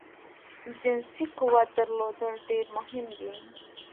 جنسی قوت درلودل ډیر مهم دی